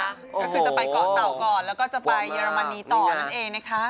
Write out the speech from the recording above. ก็คือจะไปเกาะเต่าก่อนแล้วก็จะไปเยอรมนีต่อนั่นเองนะคะ